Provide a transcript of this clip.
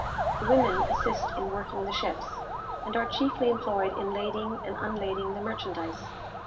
The women assist in working the ships, and are chiefly employed in lading and unlading the merchandise.